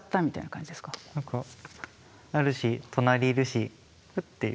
何かあるし隣いるしフッていう。